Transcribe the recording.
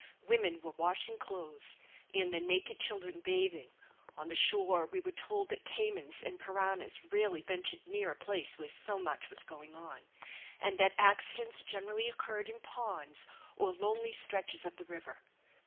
Women were washing clothes, and their naked children bathing, on the shore; we were told that caymans and piranhas rarely ventured near a place where so much was going on, and that accidents generally occurred in ponds or lonely stretches of the river.